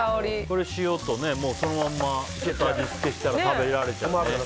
塩と、そのまま味付けしたら食べられちゃうね。